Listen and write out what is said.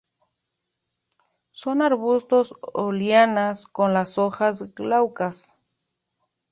Son arbustos o lianas con las hojas glaucas.